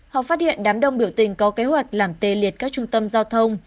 họ phát hiện đám đông biểu tình có kế hoạch làm tê liệt các trung tâm giao thông